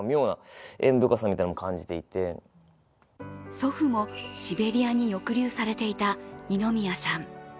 祖父もシベリアに抑留されていた二宮さん。